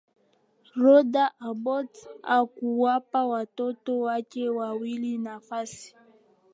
rhoda abbott hakuwapa watoto wake wawili nafasi